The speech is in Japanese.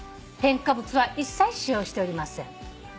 添加物は一切使用しておりません。